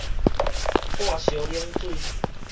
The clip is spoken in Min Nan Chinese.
半燒冷水